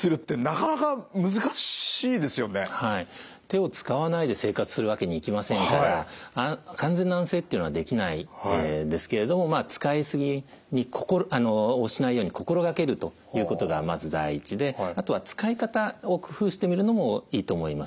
手を使わないで生活するわけにいきませんから完全な安静っていうのはできないですけれども使い過ぎをしないように心がけるということがまず第一であとは使い方を工夫してみるのもいいと思います。